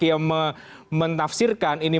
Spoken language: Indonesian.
yang menafsirkan ini